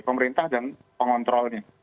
pemerintah dan pengontrolnya